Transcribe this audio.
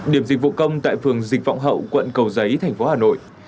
điểm dịch vụ công tại phường dịch vọng hậu quận cầu giấy thành phố hà nội